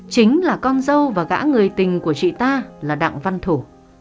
chính là con dâu và gã người tình của chị ta là đặng văn thủ